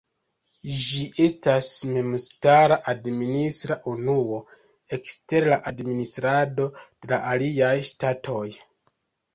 Ĝi estas memstara administra unuo ekster la administrado de la aliaj ŝtatoj.